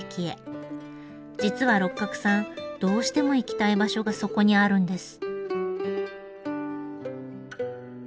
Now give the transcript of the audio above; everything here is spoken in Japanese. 実は六角さんどうしても行きたい場所がそこにあるんです。